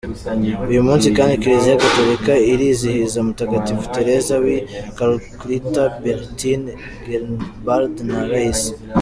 Uyu munsi kandi Kiliziya gatolika irizihiza mutagatifu Tereza wi Calcutta, Bertin, Genebald na Raissa.